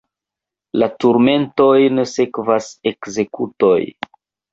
La turmentojn sekvas ekzekutoj.